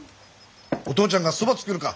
お父ちゃんがそば作るか？